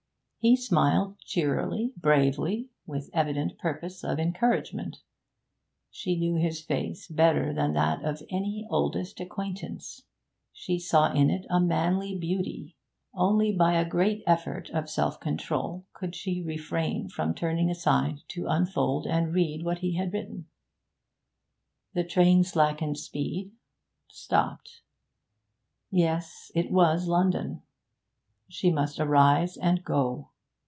He smiled cheerily, bravely, with evident purpose of encouragement. She knew his face better than that of any oldest acquaintance; she saw in it a manly beauty. Only by a great effort of self control could she refrain from turning aside to unfold and read what he had written. The train slackened speed, stopped. Yes, it was London. She must arise and go.